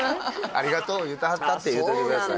「ありがとう」言うてはったって言うといてください